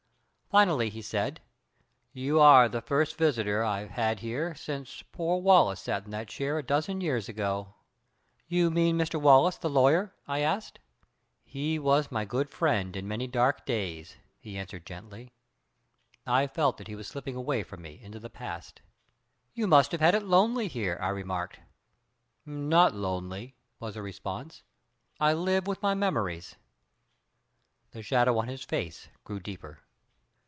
Finally he said: "You are the first visitor I have had here since poor Wallis sat in that chair a dozen years ago." "You mean Mr. Wallis the lawyer?" I asked. "He was my good friend in many dark days," he answered gently. I felt that he was slipping away from me into the past. "You must have it lonely here," I remarked. "Not lonely," was the response. "I live with my memories." The shadow on his face grew deeper.